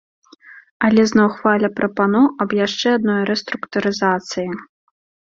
Але зноў хваля прапаноў аб яшчэ адной рэструктурызацыі.